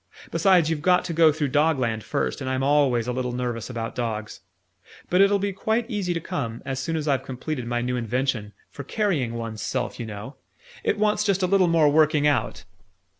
Besides, you've got to go through Dogland first, and I'm always a little nervous about dogs. But it'll be quite easy to come, as soon as I've completed my new invention for carrying one's self, you know. It wants just a little more working out."